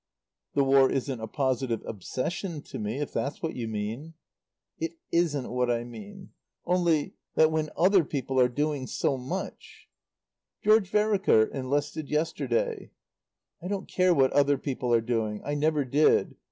"The War isn't a positive obsession to me, if that's what you mean." "It isn't what I mean. Only that when other people are doing so much "George Vereker enlisted yesterday." "I don't care what other people are doing. I never did.